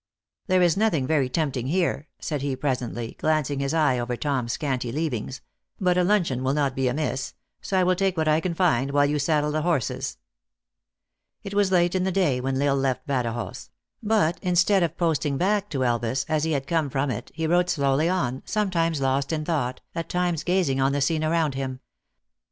There is nothing very tempting here," said he presently, glancing his eye over Tom s scanty leavings, " but a luncheon will not be amiss ; so I will take what I can find, while you saddle the horses." It was late in the day when L Isle left Badajoz ; but instead of posting back to Elvas, as he had come from it, he rode slowly on, somatimes lost in thought, at times gazing on the scene around him.